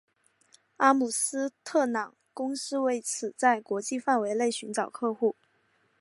阿姆斯特朗公司为此在国际范围内寻找客户。